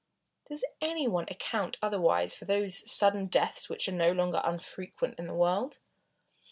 Does any one account otherwise for those sudden deaths which are no longer unfrequent in the world?